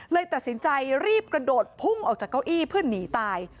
เลยตัดสินใจรีบกระโดดพุ่งออกจากเก้าอี้เพื่อหนีตาย